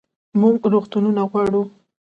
موږ روغتونونه غواړو